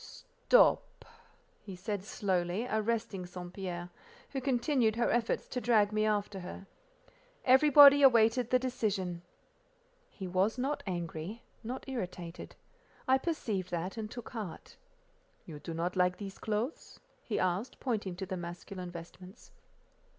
"Stop!" he said slowly, arresting St. Pierre, who continued her efforts to drag me after her. Everybody awaited the decision. He was not angry, not irritated; I perceived that, and took heart. "You do not like these clothes?" he asked, pointing to the masculine vestments.